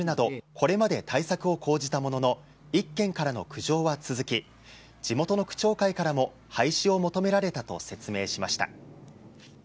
これまで対策を講じたものの１軒からの苦情は続き地元の区長会からも廃止を求められたと説明しました。